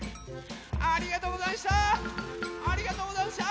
ありがとうござんした。